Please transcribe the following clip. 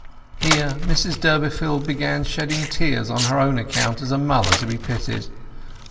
Here Mrs Durbeyfield began shedding tears on her own account as a mother to be pitied.